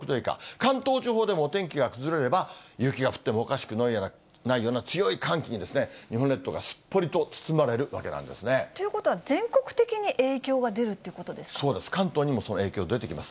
関東地方でも、お天気が崩れれば、雪が降ってもおかしくないような強い寒気に、日本列島がすっぽりと包まれるわけなんですね。ということは、全国的に影響そうです、関東にもその影響出てきます。